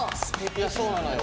いやそうなのよ。